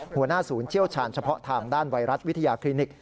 หัวหน้าศูนย์เชี่ยวชาญเฉพาะทางด้านไวรัสวิทยาคลินิก